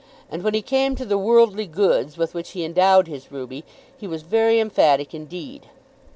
And when he came to the "worldly goods" with which he endowed his Ruby, he was very emphatic indeed.